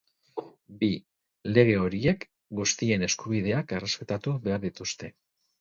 Bi, lege horiek guztien eskubideak errespetatu behar dituzte.